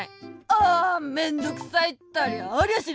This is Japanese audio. あめんどくさいったらありゃしない。